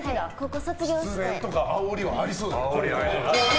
失恋とかあおりはありそうだ。